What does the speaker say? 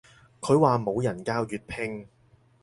佢話冇人教粵拼